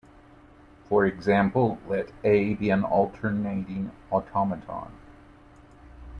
For example, let "A" be an alternating automaton.